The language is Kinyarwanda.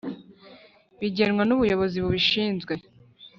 bigenwa n’ubuyobozi bubishinzwe